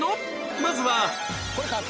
まずは